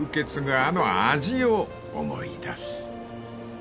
あの味を思い出す］